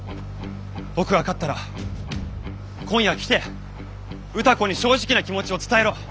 僕が勝ったら今夜来て歌子に正直な気持ちを伝えろ。